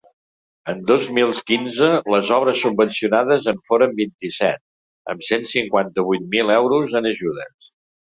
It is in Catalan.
En dos mil quinze, les obres subvencionades en foren vint-i-set, amb cent cinquanta-vuit mil euros en ajudes.